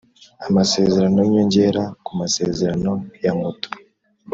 Amasezerano y Inyongera ku Masezerano ya moto